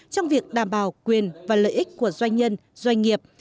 trong việc đảm bảo quyền và lợi ích của doanh nhân doanh nghiệp